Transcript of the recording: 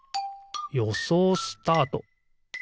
よそうスタート！